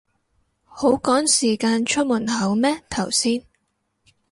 好趕時間出門口咩頭先